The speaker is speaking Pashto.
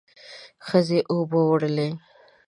ښځې اوبه وړلې.